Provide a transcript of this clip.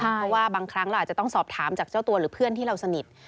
เพราะว่าบางครั้งเราอาจจะต้องสอบถามจากเจ้าตัวหรือเพื่อนที่เราสนิท